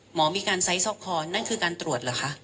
หมอมีการไซส์ซอกคอนั่นคือการตรวจเหรอคะ